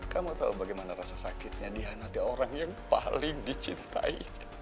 kamu tahu bagaimana rasa sakitnya dihanati orang yang paling dicintai